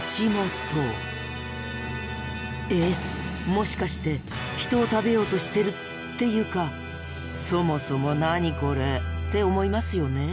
もしかして人を食べようとしてる？っていうか「そもそも何これ！」って思いますよね？